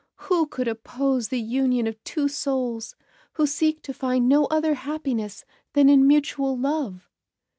Who could oppose the union of two souls who seek to find no other happiness than in a mutual love?"